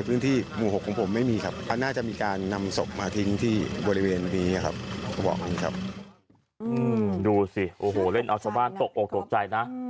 อืมดูสิโอ้โหเล่นเอาสบมาทิ้งตกโอกตกใจนะ